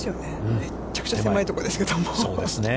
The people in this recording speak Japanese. めちゃくちゃ狭いとこですけども。